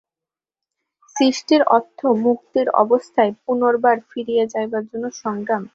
সৃষ্টির অর্থ মুক্তির অবস্থায় পুনর্বার ফিরিয়া যাইবার জন্য সংগ্রাম।